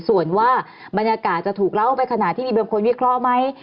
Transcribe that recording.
ส่วนว่าบรรยากาศจะถูกเล่าไปขนาดที่มีบางคนวิเคราะห์ไหม